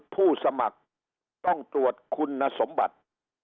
ผู้สมัครต้องตรวจคุณสมบัติ